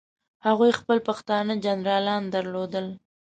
هغوی خپل پښتانه جنرالان درلودل.